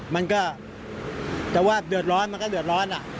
มันก็แต่ว่าเดือดร้อนมันก็เดือดร้อน